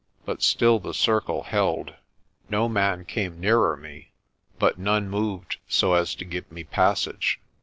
But still the circle held. No man came nearer me, but none moved so as to give me passage.